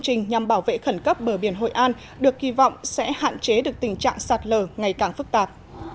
trình nhằm bảo vệ khẩn cấp bờ biển hội an được kỳ vọng sẽ hạn chế được tình trạng sạt lở ngày càng phức tạp